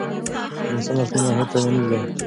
د انسان اصلي ماهیت ټولنیز دی.